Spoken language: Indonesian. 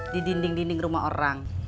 di dinding dinding rumah orang